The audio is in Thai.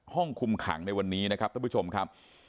ห้องคุมขังในวันนี้นะครับท่านผู้ชมครับ